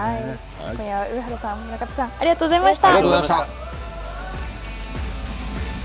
今夜は上原さん、村上さん、ありがとうございました。